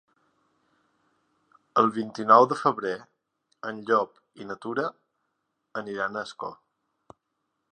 El vint-i-nou de febrer en Llop i na Tura iran a Ascó.